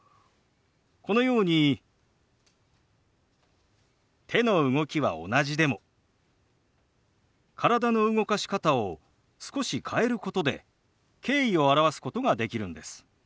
このように手の動きは同じでも体の動かし方を少し変えることで敬意を表すことができるんです。